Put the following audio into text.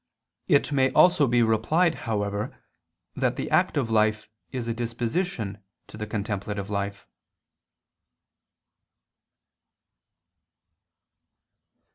It may also be replied, however, that the active life is a disposition to the contemplative life.